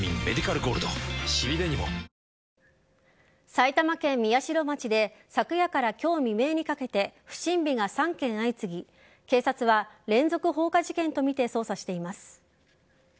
埼玉県宮代町で昨夜から今日未明にかけて不審火が３件相次ぎ警察は、連続放火事件とみて捜査しています。